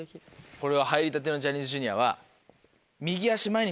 これを入りたてのジャニーズＪｒ．は。